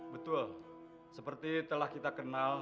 betul seperti telah kita kenal